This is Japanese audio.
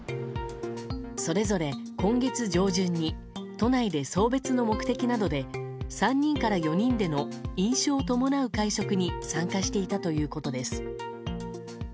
それぞれ今月上旬に都内で送別の目的などで３人から４人での飲酒を伴う会食に参加していたということです。